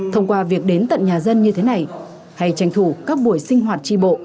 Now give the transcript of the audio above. thông qua việc đến tận nhà dân như thế này hay tranh thủ các buổi sinh hoạt tri bộ